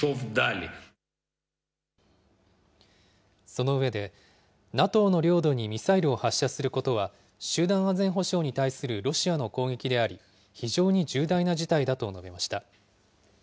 その上で、ＮＡＴＯの領土にミサイルを発射することは、集団安全保障に対するロシアの攻撃であり、非常に重大な事態だと述べました。